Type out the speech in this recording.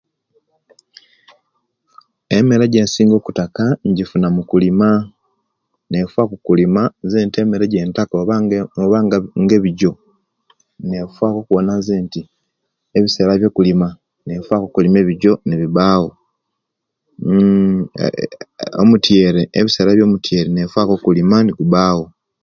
Emere ejensinga okutaaka injifuna mukulina nefaku kulima nze nti emere ejentaka obanga obanga ebijo nefaku okuwona nze nti ebisera ebyokulima nefaku okulima ebijo nebibawo huuuu eee omutiyere ebisera ebyomutiere nefaku okulima negubayo